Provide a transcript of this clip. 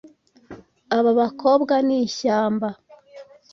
Aba bakobwa ni ishyamba.